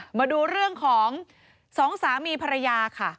มาดูเรื่องของสองสามีภรรยาค่ะ